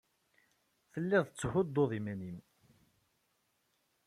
Telliḍ tettḥudduḍ iman-nnem.